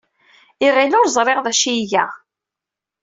Iɣil ur ẓriɣ d acu ay iga.